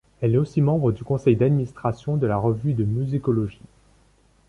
Elle est aussi membre du Conseil d’administration de la Revue de musicologie.